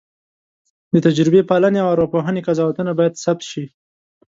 د تجربه پالنې او ارواپوهنې قضاوتونه باید ثبت شي.